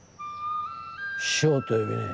師匠と呼びねえ。